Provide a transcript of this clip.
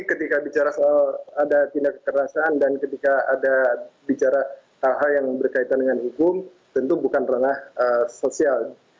ketika bicara soal ada tindak kekerasan dan ketika ada bicara hal hal yang berkaitan dengan hukum tentu bukan rangah sosial